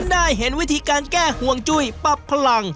ได้เห็นวิธีการแก้ห่วงจุ้ยปรับพลัง